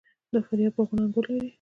د فاریاب باغونه انګور لري.